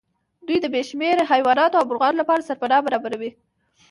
دوی د بې شمېره حيواناتو او مرغانو لپاره سرپناه برابروي.